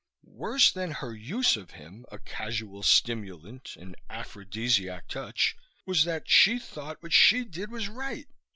Worse than her use of him, a casual stimulant, an aphrodisiac touch, was that she thought what she did was right.